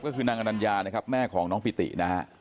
ก็คือนางอนัญญานะครับแม่ของน้องปิตินะฮะ